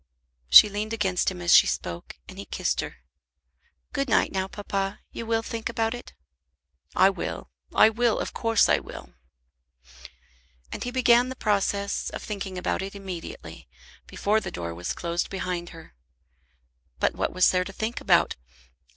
She leaned against him as she spoke, and he kissed her. "Good night, now, papa. You will think about it?" "I will. I will. Of course I will." And he began the process of thinking about it immediately, before the door was closed behind her. But what was there to think about?